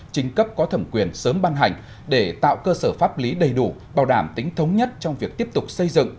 chính cấp có thẩm quyền sớm ban hành để tạo cơ sở pháp lý đầy đủ bảo đảm tính thống nhất trong việc tiếp tục xây dựng